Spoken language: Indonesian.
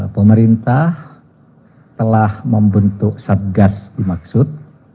pemerintah telah membentuk satgas dimaksud